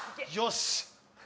よし。